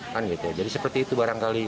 kan gitu jadi seperti itu barangkali